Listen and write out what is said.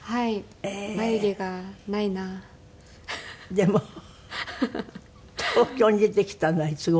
でも東京に出てきたのはいつ頃？